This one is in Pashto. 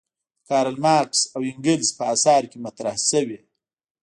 د کارل مارکس او انګلز په اثارو کې مطرح شوې.